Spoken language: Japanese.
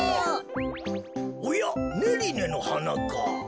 おやっネリネのはなか。